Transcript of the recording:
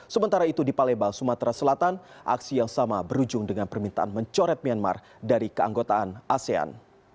sementara itu di palembang sumatera selatan aksi yang sama berujung dengan permintaan mencoret myanmar dari keanggotaan asean